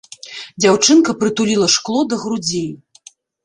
Дзяўчынка прытуліла шкло да грудзей.